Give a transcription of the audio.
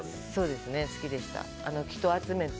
好きでした。